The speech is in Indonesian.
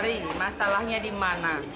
hari masalahnya di mana